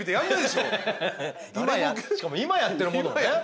しかも今やってるものをね。